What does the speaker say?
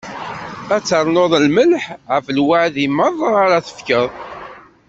Ad ternuḍ lmelḥ ɣef lewɛadi meṛṛa ara tefkeḍ.